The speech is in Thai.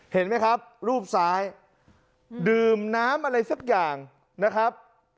เห็นไหมครับรูปซ้ายดื่มน้ำอะไรสักอย่างนะครับ